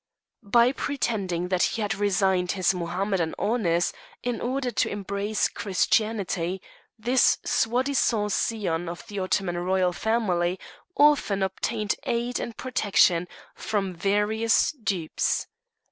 By pretending that he had resigned his Mohammedan honours in order to embrace Christianity, this soi disant scion of the Ottoman royal family often obtained aid and protection from various dupes.